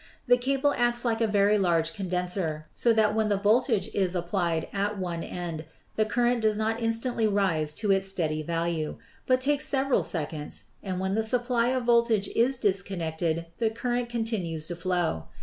The cable acts like a very large condenser, so that when the voltage is applied at one end the current does not instantly rise to its steady value, but takes several seconds, and when the supply of voltage is disconnected the current continues to flow.